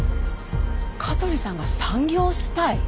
香取さんが産業スパイ？